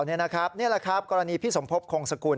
นี่แหละครับกรณีพี่สมภพคงสกุล